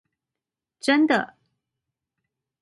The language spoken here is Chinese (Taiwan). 真的！